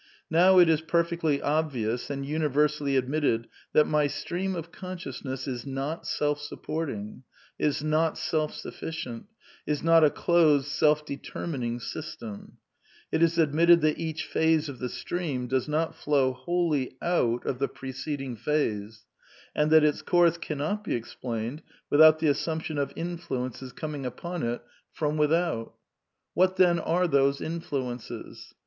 Now it is perfectly obvious and universally admitted that my stream of consciousness is not self supporting, is not self sufficient, is not a closed, self determining system ; it is ad mitted that each phase of the stream does not flow wholly out of the preceding phase, and that its course cannot be explained without the assxmiption of influences coming upon it from with 80 A DEFENCE OF IDEALISM out What then are those influences?